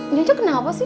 nyonya kenapa sih